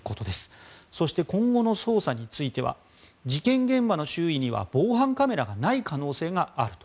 そして今後の捜査については事件現場の周囲には防犯カメラがない可能性があると。